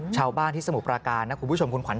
ชาวบ้านที่สมุทรปราการนะคุณผู้ชมคุณขวัญ